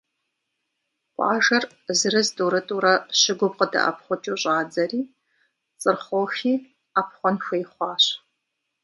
Къуажэр зырыз-тӏурытӏурэ щыгум къыдэӏэпхъукӏыу щӏадзэри, Цырхъохи ӏэпхъуэн хуей хъуащ.